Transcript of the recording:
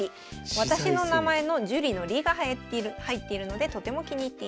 私の名前の朱里の「里」が入っているのでとても気に入っています。